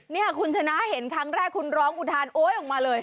นี่คุณชนะเห็นครั้งแรกคุณร้องอุทานโอ๊ยออกมาเลย